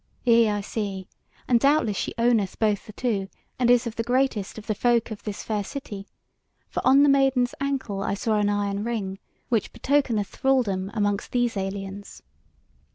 Yea, I see; and doubtless she owneth both the two, and is of the greatest of the folk of this fair city; for on the maiden's ankle I saw an iron ring, which betokeneth thralldom amongst these aliens.